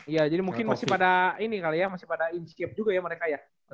ya jadi mungkin masih pada ini kali ya masih pada in scape juga ya mereka ya